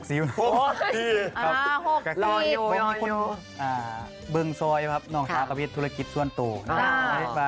เค้าเบิ่งซอยอะครับน้องท้ากระเบียนธุรกิจส่วนตัว